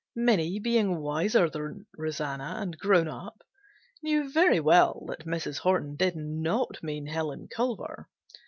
Minnie being wiser than Rosanna and grown up, knew very well that Mrs. Horton did not mean Helen Culver.